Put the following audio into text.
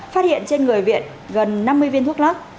phát hiện trên người viện gần năm mươi viên thuốc lắc